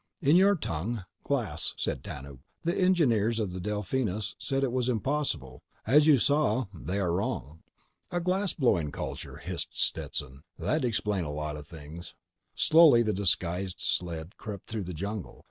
"In your tongue—glass," said Tanub. "The engineers of the Delphinus said it was impossible. As you saw—they are wrong." "A glass blowing culture," hissed Stetson. "That'd explain a lot of things." Slowly, the disguised sled crept through the jungle.